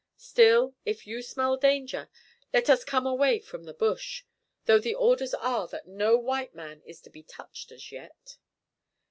"Still, if you smell danger, let us come away from the bush, though the orders are that no white man is to be touched as yet."